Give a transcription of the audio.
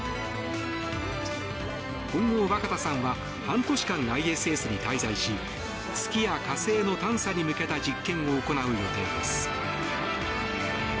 今後、若田さんは半年間ＩＳＳに滞在し月や火星の探査に向けた実験を行う予定です。